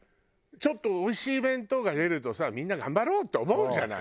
ちょっとおいしい弁当が出るとさみんな頑張ろう！って思うじゃない。